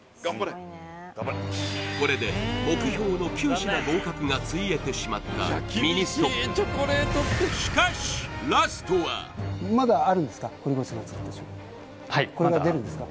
これで目標の９品合格がついえてしまったミニストップしかし堀越さんが作った商品はいまだこれから出るんですか？